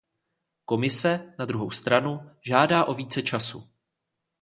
Komise, na druhou stranu, žádá o více času.